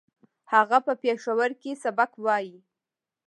هغه په پېښور کې سبق وايي